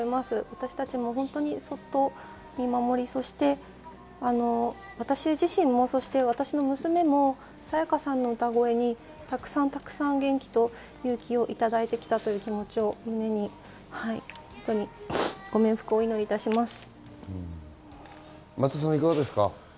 私たちもそっと見守り、そして私自身も私の娘も沙也加さんの歌声に、たくさんたくさん元気と勇気をいただいてきたという気持ちを胸に本当にご冥福をお祈り申し上げます。